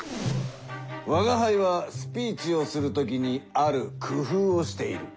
吾輩はスピーチをするときにある工ふうをしている。